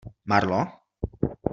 Marlo?